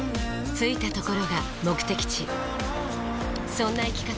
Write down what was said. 着いたところが目的地そんな生き方